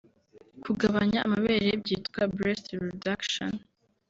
Kugabanya amabere byitwa Breast Reduction